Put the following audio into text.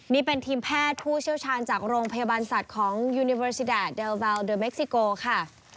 นี่เป็นทีมแพทย์ผู้เชี่ยวชาญจากโรงพยาบาลสัตว์ของยูนิเวรซิดาเดลเบาเดอร์เม็กซิโกค่ะ